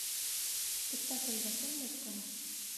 Спектаклдә кем музыкаһы?